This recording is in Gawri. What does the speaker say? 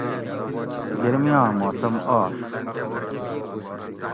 گرمیاں موسم آش